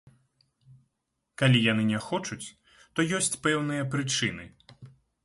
Калі яны не хочуць, то ёсць пэўныя прычыны.